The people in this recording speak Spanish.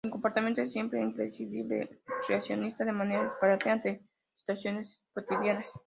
Su comportamiento es siempre imprevisible, reaccionando de manera disparatada ante situaciones cotidianas.